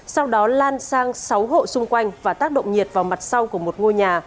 sau đó lan sang sáu hộ xung quanh và tác động nhiệt vào mặt sau của một ngôi nhà